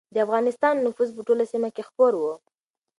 د افغانستان نفوذ په ټوله سیمه کې خپور و.